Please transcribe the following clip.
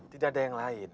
tidak ada yang lain